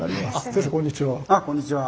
先生こんにちは。